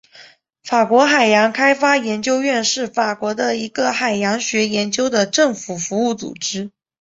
法国海洋开发研究院是法国的一个海洋学研究的政府服务组织。